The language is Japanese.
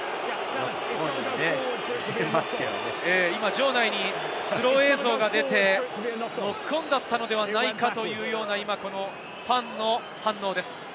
場内にスロー映像が出て、ノックオンだったのではないかというようなファンの反応です。